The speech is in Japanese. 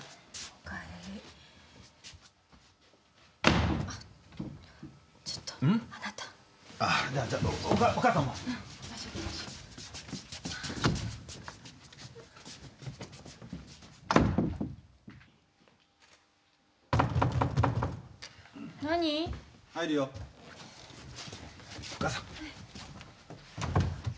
お母さん。